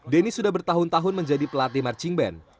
denny sudah bertahun tahun menjadi pelatih marching band